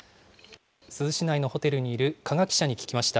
珠洲市内のホテルにいる加賀記者に聞きました。